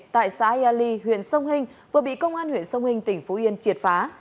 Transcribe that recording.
tại xã yali huyện sông hinh vừa bị công an huyện sông hinh tỉnh phú yên triệt phá